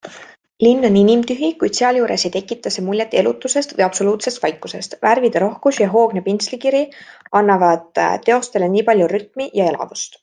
Linn on inimtühi, kuid sealjuures ei tekita see muljet elutusest või absoluutsest vaikusest - värvide rohkus ja hoogne pintslikiri annavad teostele nii palju rütmi ja elavust.